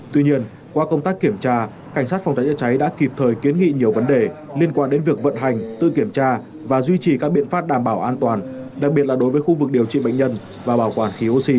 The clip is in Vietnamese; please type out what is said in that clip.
tuy nhiên qua công tác kiểm tra cảnh sát phòng cháy chữa cháy đã kịp thời kiến nghị nhiều vấn đề liên quan đến việc vận hành tự kiểm tra và duy trì các biện pháp đảm bảo an toàn đặc biệt là đối với khu vực điều trị bệnh nhân và bảo quản khí oxy